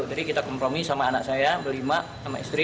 jadi kita kompromi sama anak saya beli emak sama istri